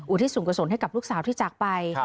อุทิศสุงกระสนให้กับลูกสาวที่จากไป